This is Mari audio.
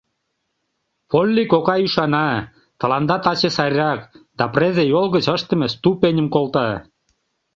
Полли кокай ӱшана: тыланда таче сайрак, да презе йол гыч ыштыме ступеньым колта.